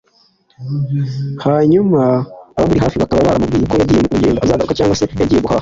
hanyuma abamuri hafi bakaba baramubwiye ko yagiye mu rugendo azagaruka cyangwa se yagiye guhaha